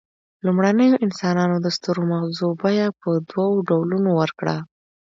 لومړنیو انسانانو د سترو مغزو بیه په دوو ډولونو ورکړه.